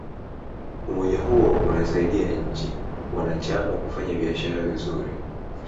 umoja huo unasaidia nchi wanachama kufanya biashara vizuri